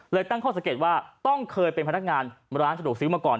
ตั้งข้อสังเกตว่าต้องเคยเป็นพนักงานร้านสะดวกซื้อมาก่อน